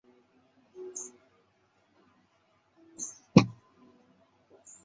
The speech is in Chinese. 介分两者的传统图解就似比较一轴古代画卷。